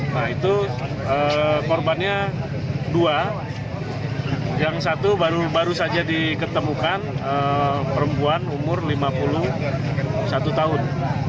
nah itu korbannya dua yang satu baru saja diketemukan perempuan umur lima puluh satu tahun